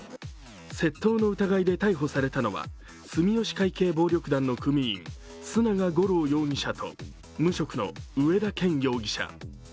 窃盗の疑いで逮捕されたのは住吉会系暴力団の組員、須永五郎容疑者と無職の上田健容疑者。